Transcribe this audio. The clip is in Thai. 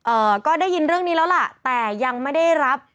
เอ่อก็ได้ยินเรื่องนี้แล้วล่ะแต่ยังไม่ได้รับ